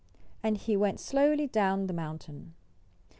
And he went slowly down the mountain.